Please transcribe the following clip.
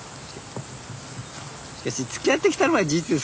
つきあってきたのは事実ですかね